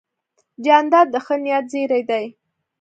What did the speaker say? جانداد د ښه نیت زېرى دی.